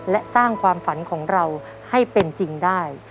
และสร้างความฝันของเราให้เป็นจริงได้